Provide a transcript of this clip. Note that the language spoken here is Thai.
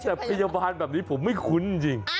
แต่พยาบาลแบบนี้ผมไม่คุ้นจริง